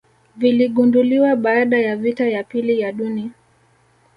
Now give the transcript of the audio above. viligunduliwa baada ya vita ya pili ya duni